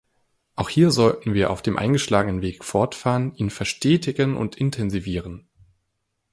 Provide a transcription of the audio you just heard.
Auch hier sollten wir auf dem eingeschlagenen Weg fortfahren, ihn verstetigen und intensivieren.